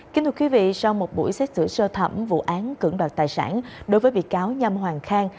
kính thưa quý vị sau một buổi xét xử sơ thẩm vụ án cưỡng đoạt tài sản đối với bị cáo nhăm hoàng khang